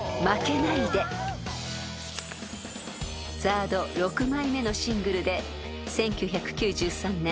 ［ＺＡＲＤ６枚目のシングルで１９９３年